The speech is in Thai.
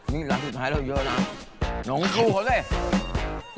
นี่ลักษณ์สุดท้ายเราเยอะน้องคู่เขาสิ